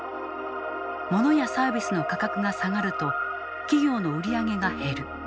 モノやサービスの価格が下がると企業の売り上げが減る。